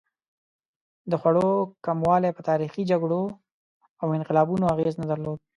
د خوړو کموالی په تاریخي جګړو او انقلابونو اغېز نه درلود.